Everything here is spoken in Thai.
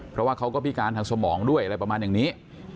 เพราะว่าเขาก็พิการทางสมองด้วยอะไรประมาณอย่างนี้